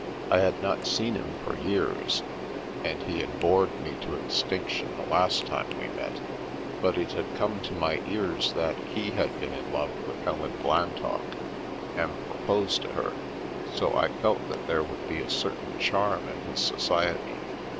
I had not seen him for years, and he had bored me to extinc tion the last time we met ; but it had come to my ears that he had been in love with Helen Blantock, and proposed to her, so I felt that thei; ie would be a cer tain charm in his society.